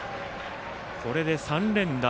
これで３連打。